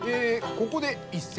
ここで一席。